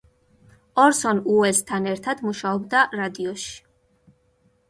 ორსონ უელსთან ერთად მუშაობდა რადიოში.